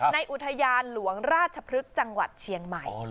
ในอุทยานหลวงราชพฤกษ์จังหวัดเชียงใหม่